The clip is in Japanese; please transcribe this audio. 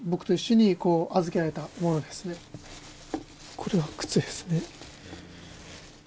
これは、靴ですね。